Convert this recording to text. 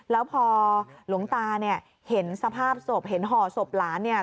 แล้วพอหลวงตาเห็นสภาพศพเห็นห่อศพหลาน